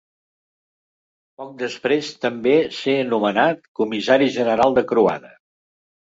Poc després també ser nomenat Comissari General de Croada.